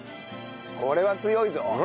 これは強いぞ！